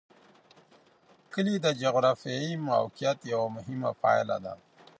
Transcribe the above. کلي د جغرافیایي موقیعت یوه مهمه پایله ده.